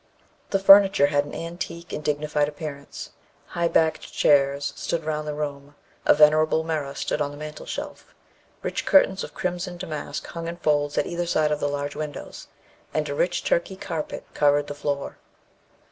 The furniture had an antique and dignified appearance. High backed chairs stood around the room; a venerable mirror stood on the mantle shelf; rich curtains of crimson damask hung in folds at either side of the large windows; and a rich Turkey carpet covered the floor.